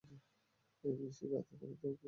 এই নিশীথ রাতে আমি তোমার কি কাজে আসতে পারি?